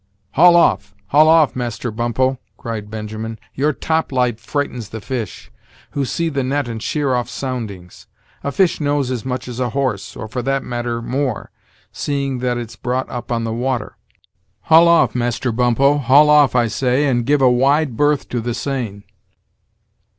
"Haul off, haul off, Master Bumppo," cried Benjamin, "your top light frightens the fish, who see the net and sheer off soundings. A fish knows as much as a horse, or, for that matter, more, seeing that it's brought up on the water. Haul oil, Master Bumppo, haul off, I say, and give a wide berth to the seine."